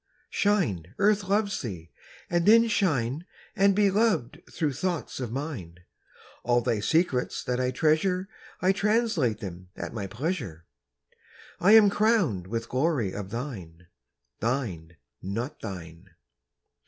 Shine, Earth loves thee! And then shine And be loved through thoughts of mine. All thy secrets that I treasure I translate them at my pleasure. I am crowned with glory of thine. Thine, not thine.